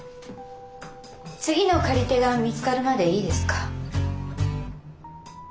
次の借り手が見つかるまでいいですか？